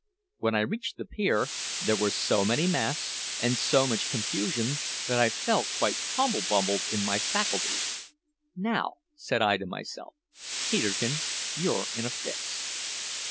When I reached the pier, there were so many masts, and so much confusion, that I felt quite humble bumbled in my faculties. `Now,' said I to myself, `Peterkin, you're in a fix.'